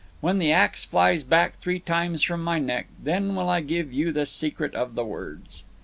When the axe flies back three times from my neck, then will I give you the secret of the words."